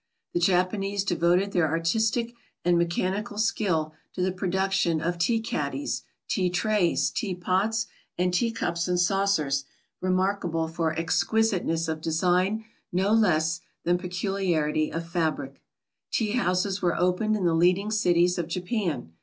The Japanese devoted their artistic and mechanical skill to the production of tea caddies, tea trays, tea pots, and tea cups and saucers, remarkable for exquisiteness of design no less than peculiarity of fabric. Tea houses were opened in the leading cities of Japan.